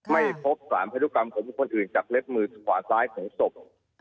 ไม่พบสารพันธุกรรมของคนอื่นจากเล็บมือขวาซ้ายของศพ